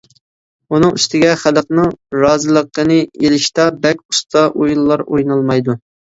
ئۇنىڭ ئۈستىگە خەلقنىڭ رازىلىقىنى ئېلىشتا بەك ئۇستا ئويۇنلار ئوينالمايدۇ.